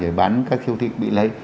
rồi bán các thiêu thị bị lấy